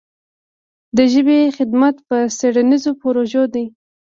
د ژبې خدمت په څېړنیزو پروژو دی.